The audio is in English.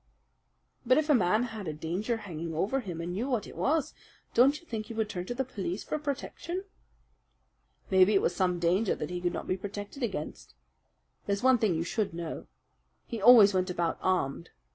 "But if a man had a danger hanging over him, and knew what it was, don't you think he would turn to the police for protection?" "Maybe it was some danger that he could not be protected against. There's one thing you should know. He always went about armed.